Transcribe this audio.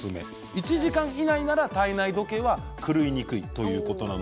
１時間以内なら体内時計は狂いにくいということです。